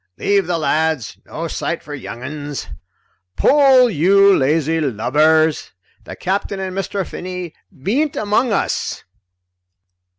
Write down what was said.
"Leave the lads no sight for young uns." "Pull, you lazy lubbers! The Capt'n and Mr. Finney bean't among us!"